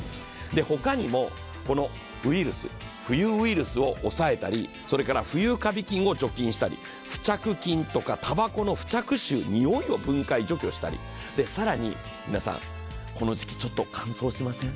他にも、浮遊ウイルスを抑えたり、浮遊カビ菌を除菌したり、付着菌とかたばこの付着臭を分解したり除去したり更に皆さん、この時期ちょっと乾燥しません？